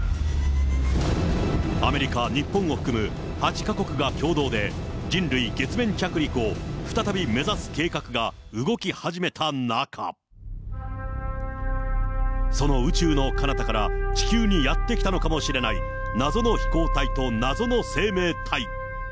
アメリカ、日本を含む８か国が共同で、人類・月面着陸計画を再び目指す計画が動き始めた中、その宇宙のかなたから、地球にやって来たのかもしれない謎の飛行体と謎の生命体。